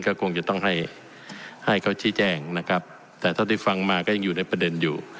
ก็คงจะต้องให้ให้เขาชี้แจ้งนะครับแต่เท่าที่ฟังมาก็ยังอยู่ในประเด็นอยู่